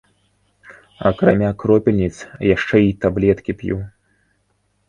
Акрамя кропельніц яшчэ і таблеткі п'ю.